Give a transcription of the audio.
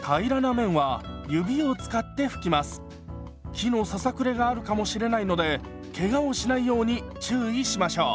木のささくれがあるかもしれないのでけがをしないように注意しましょう。